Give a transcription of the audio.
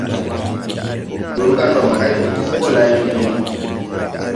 Dur ga ndo mo hay go ti se ɓo lay wegema.